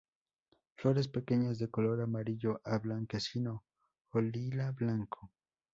Flores pequeñas, de color amarillo a blanquecino o lila-blanco;.